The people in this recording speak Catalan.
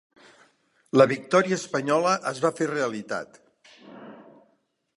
La victòria espanyola es va fer realitat.